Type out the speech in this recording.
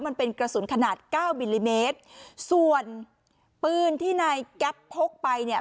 มันเป็นกระสุนขนาดเก้ามิลลิเมตรส่วนปืนที่นายแก๊ปพกไปเนี่ย